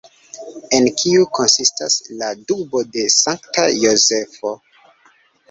En kiu konsistas ‘’’la dubo de Sankta Jozefo’’’?